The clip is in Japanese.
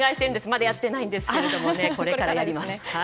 まだやってないんですがこれからやります。